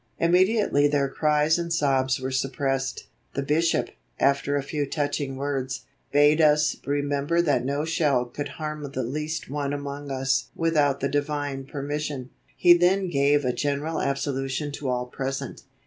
Immediately their cries and sobs were suppressed. The Bishop, after a few touching words, bade us remember that no shell could harm the least one among us without the Divine permission. He then gave a general absolution to all present."